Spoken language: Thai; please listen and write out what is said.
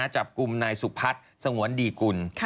จับกุมในสุขพัฒน์สงวนดีกุล